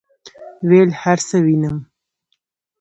ویل هرڅه وینم،